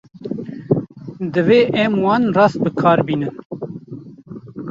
Divê em wan rast bi kar bînin.